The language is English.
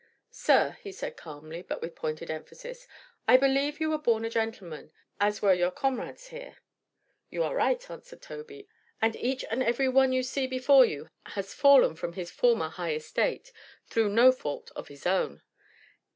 "Sir," he said calmly but with pointed emphasis, "I believe you were born a gentleman, as were your comrades here." "You are right," answered Tobey. "And each and every one you see before you has fallen from his former high estate through no fault of his own."